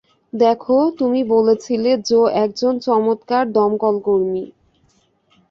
দেখো, তুমি বলেছিলে জো একজন চমৎকার দমকলকর্মী।